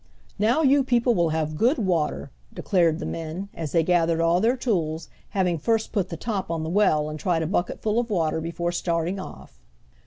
"Now you people will have good water," declared the men, as they gathered all their tools, having first put the top on the well and tried a bucketful of water before starting off.